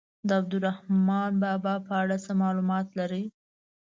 د عبدالرحمان بابا په اړه څه معلومات لرئ.